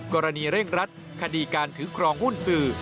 กรณีเร่งรัดคดีการถือครองหุ้นสื่อ